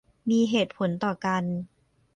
มีเหตุผลต่อกัน